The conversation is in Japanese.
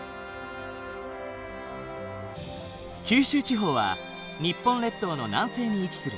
九州地方は日本列島の南西に位置する。